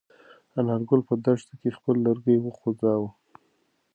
انارګل په دښته کې خپل لرګی وخوځاوه.